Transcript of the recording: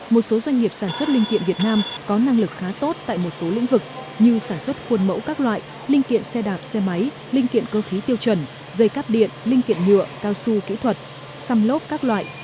một số doanh nghiệp sản xuất linh kiện việt nam có năng lực khá tốt tại một số lĩnh vực như sản xuất khuôn mẫu các loại linh kiện xe đạp xe máy linh kiện cơ khí tiêu chuẩn dây cáp điện linh kiện nhựa cao su kỹ thuật xăm lốp các loại